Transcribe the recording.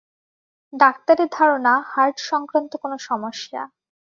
ডাক্তারের ধারণা, হার্ট সংক্রান্ত কোনো সমস্যা।